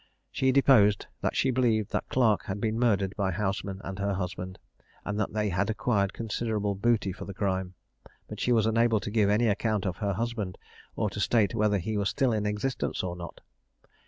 She deposed that she believed that Clarke had been murdered by Houseman and her husband, and that they had acquired considerable booty for the crime; but she was unable to give any account of her husband, or to state whether he still was in existence or not.